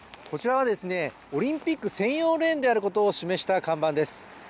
こちらはオリンピック専用レーンであることを示した看板です。